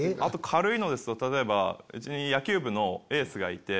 軽いのですとうちに野球部のエースがいて。